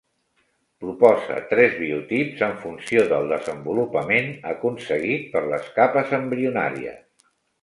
Propose tres biotips en funció del desenvolupament aconseguit per les capes embrionàries.